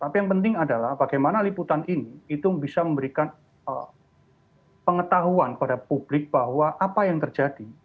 tapi yang penting adalah bagaimana liputan ini itu bisa memberikan pengetahuan kepada publik bahwa apa yang terjadi